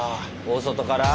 大外から？